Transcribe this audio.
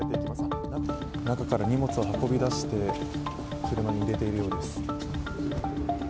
中から荷物を運び出して車に入れているようです。